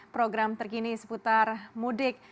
program terkini seputar mudik